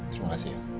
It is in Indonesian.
terima kasih ya